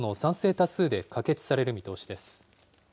多数で可決される見通しです。